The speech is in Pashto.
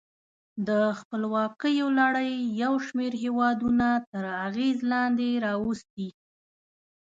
د خپلواکیو لړۍ یو شمیر هېودونه تر اغېز لاندې راوستي.